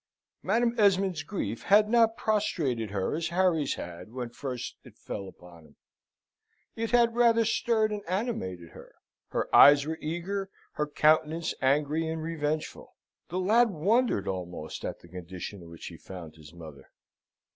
Madam Esmond's grief had not prostrated her as Harry's had when first it fell upon him; it had rather stirred and animated her: her eyes were eager, her countenance angry and revengeful. The lad wondered almost at the condition in which he found his mother.